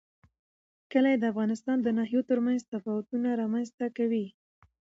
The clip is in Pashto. کلي د افغانستان د ناحیو ترمنځ تفاوتونه رامنځ ته کوي.